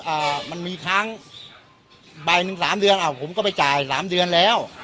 อ่ามันมีค้างใบหนึ่งสามเดือนอ้าวผมก็ไปจ่ายสามเดือนแล้ว